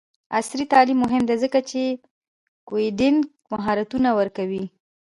عصري تعلیم مهم دی ځکه چې کوډینګ مهارتونه ورکوي.